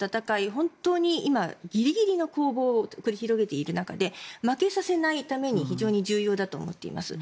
本当に今、ギリギリの攻防を繰り広げている中で負けさせないために非常に重要だと思っています。